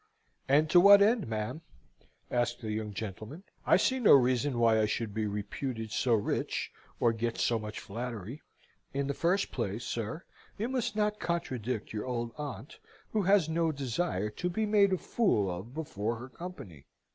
"And to what end, ma'am?" asked the young gentleman. "I see no reason why I should be reputed so rich, or get so much flattery." "In the first place, sir, you must not contradict your old aunt, who has no desire to be made a fool of before her company.